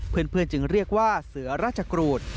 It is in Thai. เพื่อนจึงเรียกว่าเสือราชกรูด